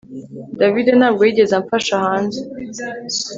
David ntabwo yigeze amfasha hanze